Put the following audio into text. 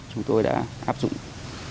chúng tôi đã áp dụng đồng tiền